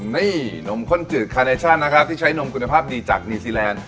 นี่นมข้นจืดคาเนชั่นนะครับที่ใช้นมคุณภาพดีจากนิวซีแลนด์